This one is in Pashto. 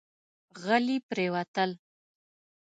غلي پرېوتل.